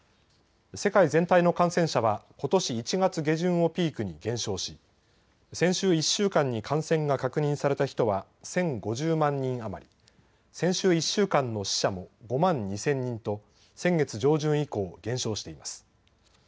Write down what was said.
世界全体の感染者はことし１月下旬をピークに減少し先週１週間に感染が確認された人は１０５０万人余り、先週１週間の死者も５万２０００人と先月上旬以降、減少しています。